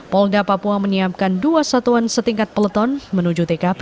polda papua menyiapkan dua satuan setingkat peleton menuju tkp